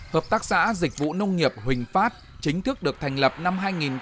hợp tác xã dịch vụ nông nghiệp huỳnh phát chính thức được thành lập năm hai nghìn một mươi